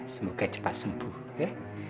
semoga cepat sembuh ya